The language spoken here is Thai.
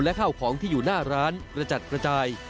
และข้าวของที่อยู่หน้าร้านกระจัดกระจาย